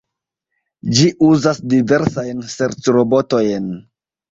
Ĝi uzas diversajn serĉrobotojn.